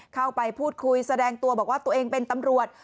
เข้าไปพูดคุยแสดงตัวบอกว่าตัวเองเป็นตำรวจ